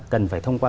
cần phải thông qua